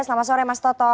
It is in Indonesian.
selamat sore mas toto